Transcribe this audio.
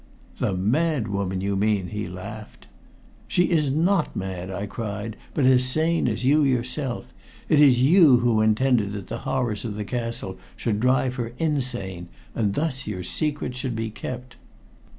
"The mad woman, you mean!" he laughed. "She is not mad," I cried, "but as sane as you yourself. It is you who intended that the horrors of the castle should drive her insane, and thus your secret should be kept!"